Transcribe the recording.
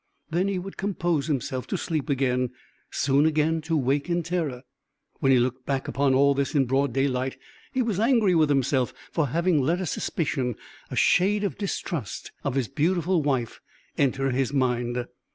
Then he would compose himself to sleep again soon again to wake in terror. When he looked back upon all this in broad daylight, he was angry with himself for having let a suspicion, a shade of distrust of his beautiful wife, enter his mind.